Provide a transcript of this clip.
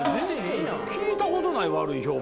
聞いたことない悪い評判。